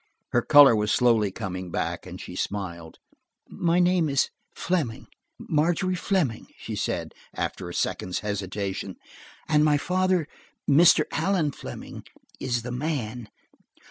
Her color was slowly coming back, and she smiled. "My name is Fleming, Margery Fleming," she said after a second's hesitation, "and my father, Mr. Allan Fleming, is the man.